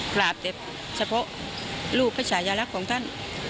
กราบแต่เฉพาะลูกประชายรักของท่าน